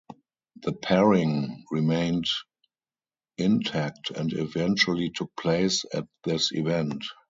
The pairing remained intact and eventually took place at this event.